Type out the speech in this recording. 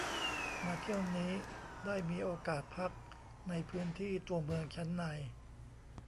มาเที่ยวนี้ได้มีโอกาสพักในพื้นที่ตัวเมืองชั้นใน